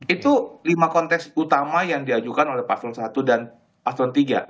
itu lima konteks utama yang diajukan oleh paslon satu dan paslon tiga